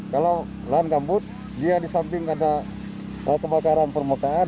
kalau lahan gambut dia di samping ada kebakaran permukaan